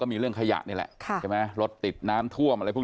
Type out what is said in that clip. มีเรื่องขยะนี่แหละใช่ไหมรถติดน้ำท่วมอะไรพวก